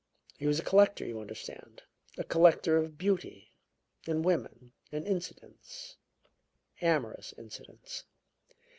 He was a collector, you understand, a collector of beauty, and women, and incidents amorous incidents.